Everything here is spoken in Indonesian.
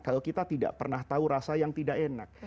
kalau kita tidak pernah tahu rasa yang tidak enak